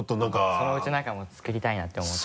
そのうち中も作りたいなって思ってます。